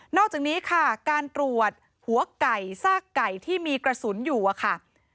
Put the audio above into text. อกจากนี้ค่ะการตรวจหัวไก่ซากไก่ที่มีกระสุนอยู่อะค่ะ